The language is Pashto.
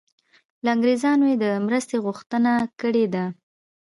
له انګریزانو یې د مرستې غوښتنه کړې ده.